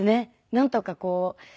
なんとかこう。